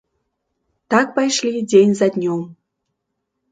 Так пайшлі дзень за днём.